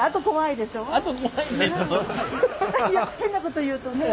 いや変なこと言うとね。